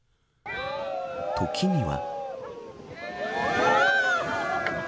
時には。